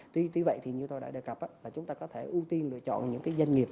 tuy vậy thì như tôi đã đề cập là chúng ta có thể ưu tiên lựa chọn những doanh nghiệp